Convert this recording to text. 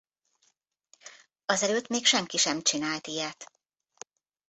Azelőtt még senki sem csinált ilyet.